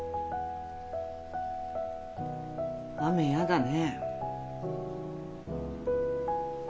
雨やだね。